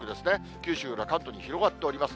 九州から関東に広がっております。